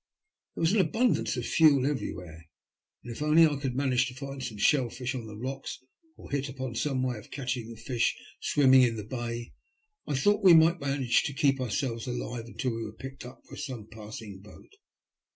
There was an abundance of fuel everywhere, and if only I could manage to find some shell fish on the rocks, or hit upon some way of catching the fish swimming in the bay, I thought we might manage to keep ourselves alive until we were picked up by some passing boat.